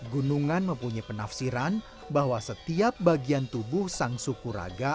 gunungan mempunyai penafsiran bahwa setiap bagian tubuh sang sukuraga